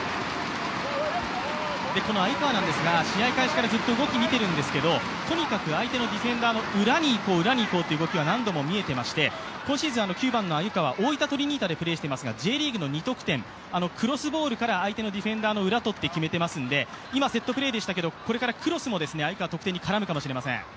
鮎川なんですが試合開始からずっと動きを見ているんですがとにかく相手のディフェンダーの裏に行こう、裏に行こうという動きは、何度も見えていまして、今シーズン、９番の鮎川は大分トリニータでプレーしていますがＪリーグの２得点クロスボールから相手のディフェンダーの裏をとって決めていますので今、セットプレーでしたけれどもこれからクロスも鮎川、得点に絡むかもしれません。